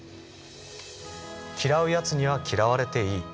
嫌うやつには嫌われていい。